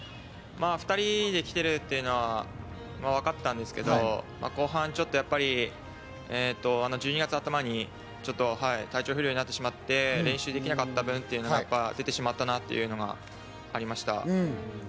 ２人で来ているっていうのはわかってたんですけど、後半、ちょっとやっぱり１２月頭にちょっと体調不良になってしまって、練習できなかった分が出てしまったなというのがありました。